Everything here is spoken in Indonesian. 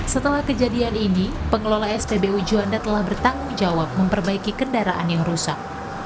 setelah kejadian ini pengelola spbu juanda telah bertanggung jawab memperbaiki kendaraan yang rusak